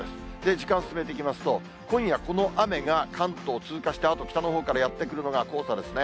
時間進めていきますと、今夜、この雨が関東を通過したあと、北のほうからやって来るのが黄砂ですね。